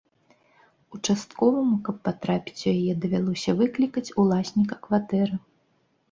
Участковаму, каб патрапіць у яе, давялося выклікаць уласніка кватэры.